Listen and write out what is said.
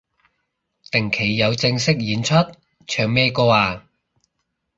定期有正式演出？唱咩歌啊